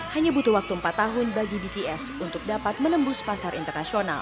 hanya butuh waktu empat tahun bagi bts untuk dapat menembus pasar internasional